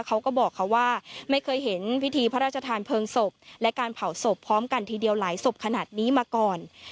เขาก็บอกเขาว่าไม่เคยเห็นพิธีพระราชทานเพลิงศพและการเผาศพพร้อมกันทีเดียวหลายศพขนาดนี้มาก่อน